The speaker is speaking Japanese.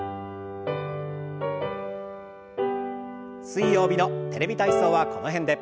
水曜日の「テレビ体操」はこの辺で。